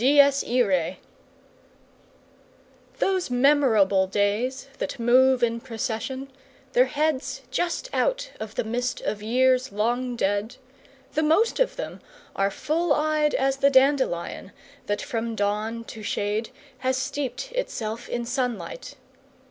DIES IRAE Those memorable days that move in procession, their heads just out of the mist of years long dead the most of them are full eyed as the dandelion that from dawn to shade has steeped itself in sunlight.